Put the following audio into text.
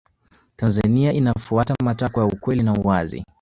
tanzania inafuata matakwa ya ukweli na uwazi